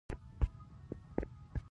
هغې وپوښتل: څه خبره ده، ولې دې زنګ وواهه؟